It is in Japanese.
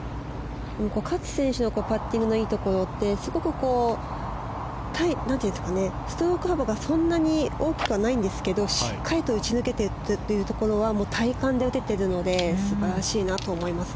勝選手のパッティングのいいところってストローク幅がそんなに大きくないんですけどしっかりと打ち抜けているというところは体幹で打てているので素晴らしいなと思います。